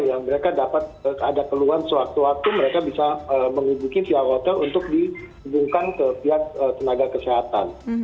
yang mereka dapat ada keluhan sewaktu waktu mereka bisa menghubungi pihak hotel untuk dihubungkan ke pihak tenaga kesehatan